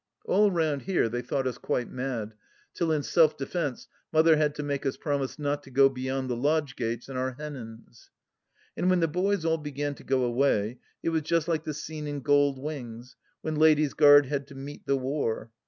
AH round here they thought us quite mad, till in self defence Mother had to make us promise not to go beyond the lodge gates in our hennins. And when the boys all began to go away, it was just like the scene in Gold Wings, when Ladies' Gard had to " meet the war."